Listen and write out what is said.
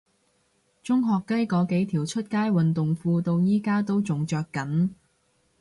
中學雞嗰幾條出街運動褲到而家都仲着緊